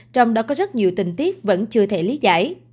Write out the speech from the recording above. trong đó có rất nhiều tình tiết vẫn chưa thể lý giải